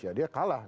ya dia kalah